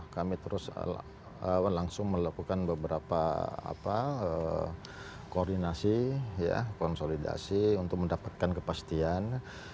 kami terus langsung melakukan beberapa koordinasi konsolidasi untuk mendapatkan kepastian